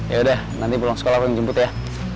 yaudah nanti pulang sekolah aku yang jemput ya